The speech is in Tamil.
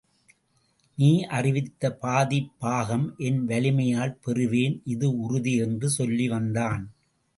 நீ அறிவித்த பாதிப்பாகம் என் வலிமையால் பெறுவேன் இது உறுதி என்று சொல்லி வந்தான்.